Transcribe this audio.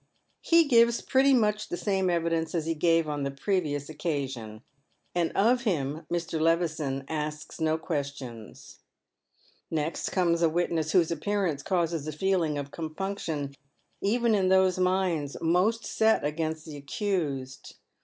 He gives pretty much the same evidence as he gave on the previous occasion ; and of him Mr. Levison asks no questions. Next comes a witness whose appearance causes a feeling of compunction even in those minds most set against the accused.